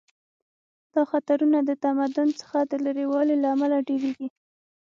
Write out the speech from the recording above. دا خطرونه د تمدن څخه د لرې والي له امله ډیریږي